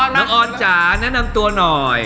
น้องออนจ๋าแนะนำตัวหน่อย